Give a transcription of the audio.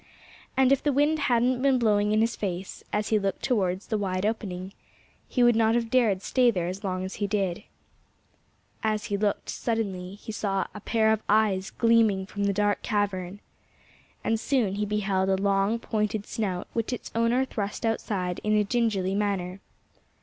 And if the wind hadn't been blowing in his face, as he looked towards the wide opening, he would not have dared stay there as long as he did. As he looked he suddenly saw a pair of eyes gleaming from the dark cavern. And soon he beheld a long, pointed snout, which its owner thrust outside in a gingerly manner.